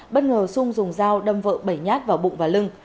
bất ngờ sung dùng dao đâm vợ bẩy nhát vào bụng và lưng